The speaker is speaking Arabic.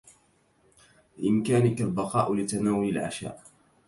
بإمكانك البقاء لتناول العشاء.